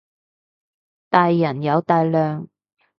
大人有大量